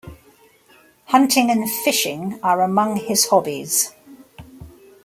Hunting and fishing are among his hobbies.